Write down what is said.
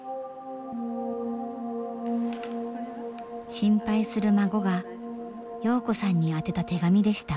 心配する孫が洋子さんに宛てた手紙でした。